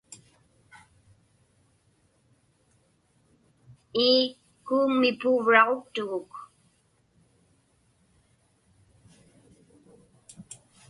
Ii, kuuŋmi puuvraġuktuguk.